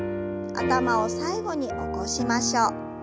頭を最後に起こしましょう。